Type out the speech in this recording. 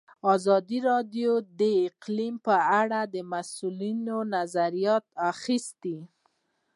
ازادي راډیو د اقلیم په اړه د مسؤلینو نظرونه اخیستي.